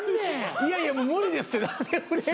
いやいや無理ですって。